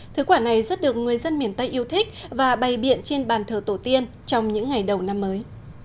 thứ quả này rất được người dân miền tây yêu thích và bày biện trên bàn thờ tổ tiên trong những ngày đầu năm mới